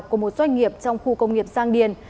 của một doanh nghiệp trong khu công nghiệp giang điền